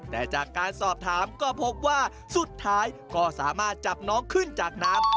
แต่จากการสอบถามก็พบว่าสุดท้ายก็สามารถจับน้องขึ้นจากน้ำ